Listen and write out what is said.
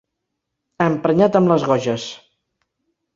Emprenyat amb les goges.